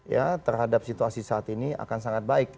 ya terhadap situasi saat ini akan sangat baik